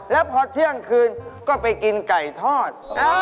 แล้วพอเที่ยงคืนก็ไปกินไก่ทอด